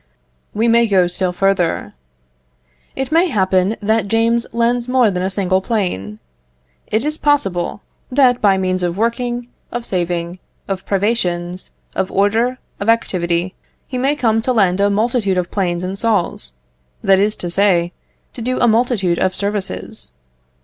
We may go still further. It may happen that James lends more than a single plane. It is possible, that by means of working, of saving, of privations, of order, of activity, he may come to lend a multitude of planes and saws; that is to say, to do a multitude of services.